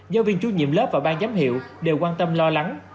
giáo viên chú nhiệm lớp và ban giám hiệu đều quan tâm lo lắng